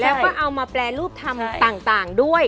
แล้วก็เอามาแปรรูปธรรมต่างด้วย